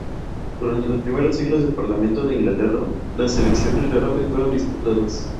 Durante los primeros siglos del Parlamento de Inglaterra, las elecciones rara vez fueron disputadas.